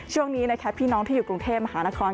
ช่วงนี้นะคะพี่น้องที่อยู่กรุงเทพมหานคร